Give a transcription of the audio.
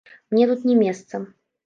Мне тут не месца.